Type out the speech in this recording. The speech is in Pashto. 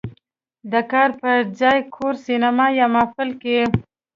"د کار په ځای، کور، سینما یا محفل" کې